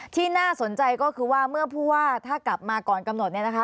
ที่น่าสนใจก็คือว่าเมื่อผู้ว่าถ้ากลับมาก่อนกำหนดเนี่ยนะคะ